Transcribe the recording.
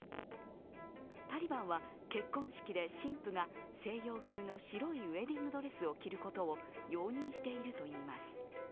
タリバンは結婚式で新婦が西洋風の白いウエディングドレスを着ることを容認しているといいます。